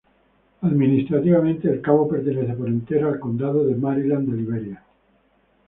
Administrativamente, el cabo pertenece por entero al Condado de Maryland de Liberia.